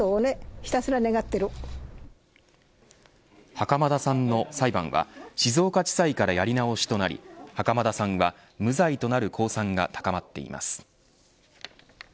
袴田さんの裁判は静岡地裁からやり直しとなり袴田さんは無罪となる公算が高まっています。